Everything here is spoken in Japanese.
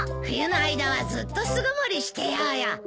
冬の間はずっと巣ごもりしてようよ。